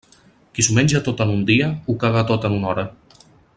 Qui s'ho menja tot en un dia, ho caga tot en una hora.